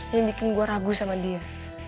yang bikin gue ragu sama dia